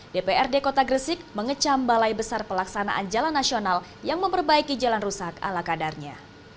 dprd kota gresik mengecam balai besar pelaksanaan jalan nasional yang memperbaiki jalan rusak ala kadarnya